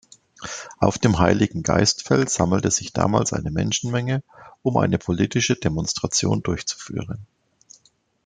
Auf dem Heiligengeistfeld sammelte sich damals eine Menschenmenge, um eine politische Demonstration durchzuführen.